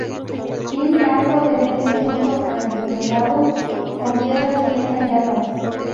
Tiene arco de medio punto adintelado con piedras bien talladas.